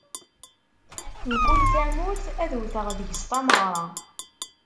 Mkul tamurt, ad wteɣ deg-s tameɣra.